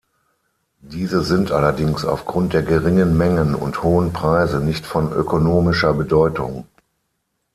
Diese sind allerdings aufgrund der geringen Mengen und hohen Preise nicht von ökonomischer Bedeutung.